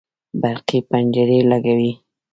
برقي پنجرې لګوي